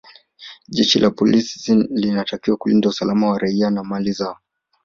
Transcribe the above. jeshi la polisi linatakiwa kulinda usalama wa raia na mali zao